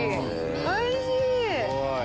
おいしい！